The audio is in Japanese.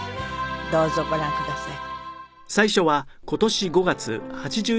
どうぞご覧ください。